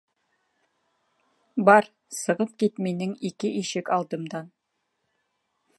Бар, сығып кит минең ике ишек алдым-дан!